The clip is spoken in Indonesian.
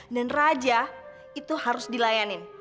dan raja itu harus dilayanin